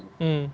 kita buat itu